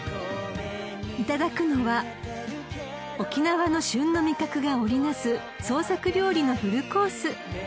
［いただくのは沖縄の旬の味覚が織り成す創作料理のフルコース］